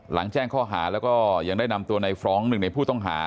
แจ้งข้อหาแล้วก็ยังได้นำตัวในฟรองก์หนึ่งในผู้ต้องหา